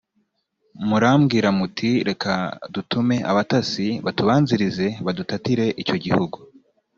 murambwira muti reka dutume abatasi batubanzirize, badutatire icyo gihugu